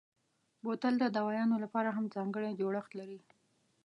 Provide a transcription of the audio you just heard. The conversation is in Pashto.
بوتل د دوایانو لپاره هم ځانګړی جوړښت لري.